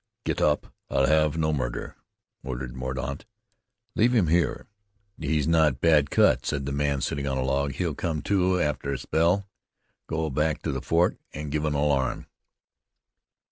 "Get up. I'll have no murder," ordered Mordaunt. "Leave him here." "He's not got a bad cut," said the man sitting on the log. "He'll come to arter a spell, go back to ther fort, an' give an alarm."